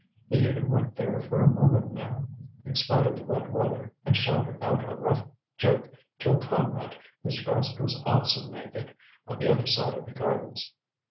He even went there for a moment now, in spite of the wet weather, and shouted out a rough joke to a comrade, whose breast was also naked, on the other side of the gardens.